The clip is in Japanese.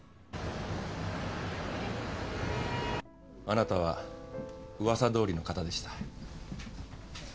あなたは噂どおりの方でした。